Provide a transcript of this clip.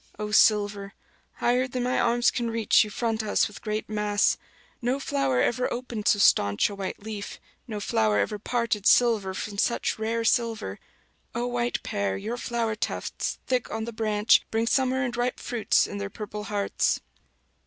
O silver, higher than my arms can reach you front us with great mass; no flower ever opened so staunch a white leaf, no flower ever parted silver from such rare silver; O white pear, your flower tufts, thick on the branch, bring summer and ripe fruits in their purple hearts.